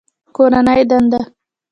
کورنۍ دنده